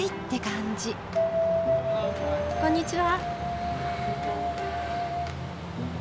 こんにちは。